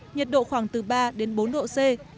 nhiệt độ khoảng từ ba đến bốn độ c